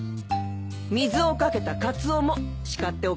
水を掛けたカツオも叱っておかないとね。